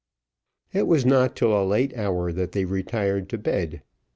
It was not till a late hour that they retired to bed.